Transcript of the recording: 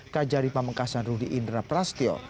kajari pamekasan rudy indra prastyo